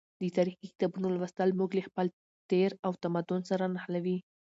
د تاریخي کتابونو لوستل موږ له خپل تیر او تمدن سره نښلوي.